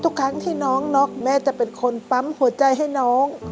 ทุกครั้งที่น้องน็อกแม่จะเป็นคนปั๊มหัวใจให้น้อง